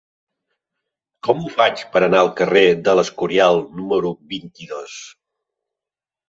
Com ho faig per anar al carrer de l'Escorial número vint-i-dos?